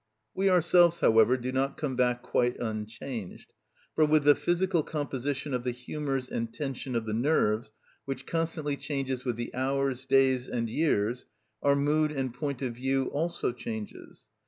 We ourselves, however, do not come back quite unchanged. For with the physical composition of the humours and tension of the nerves, which constantly changes with the hours, days, and years, our mood and point of view also changes.